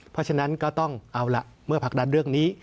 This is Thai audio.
เพราะฉะนั้นก็ต้องเอาล่ะเมื่อผลักดันเรื่องนี้